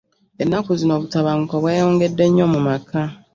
Ennaku zino obutabanguko bweyongedde nnyo mu maka.